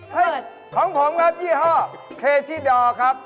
ของผมครับยี่ห้อเคดอร์ครับ